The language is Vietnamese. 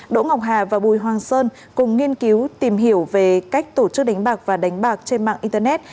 đỗ ngọc hà và bùi hoàng sơn cùng nghiên cứu tìm hiểu về cách tổ chức đánh bạc và đánh bạc trên mạng internet